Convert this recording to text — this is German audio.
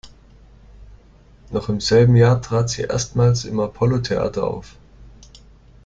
Noch im selben Jahr trat sie erstmals im Apollo Theater auf.